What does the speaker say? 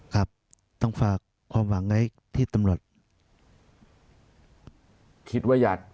ครับต้องฝากความหวังไว้ที่ตำรวจ